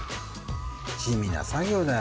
地味な作業だよ